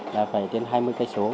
là phải trên hai mươi km